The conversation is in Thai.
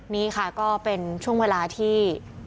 นี่ค่ะก็เป็นช่วงเวลาที่